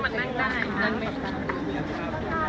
มันเป็นสิ่งที่จะให้ทุกคนรู้สึกว่ามันเป็นสิ่งที่จะให้ทุกคนรู้สึกว่า